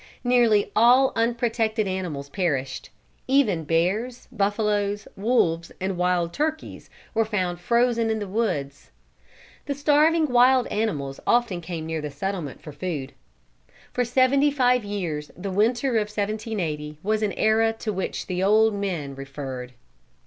Nearly all unprotected animals perished. Even bears, buffalo, wolves, and wild turkeys were found frozen in the woods. The starving wild animals often came near the settlement for food. For seventy five years the winter of 1780 was an era to which the old men referred.